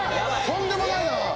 とんでもないな！